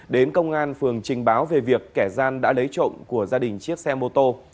đến công an phường trình báo về việc kẻ gian đã lấy trộm của gia đình chiếc xe mô tô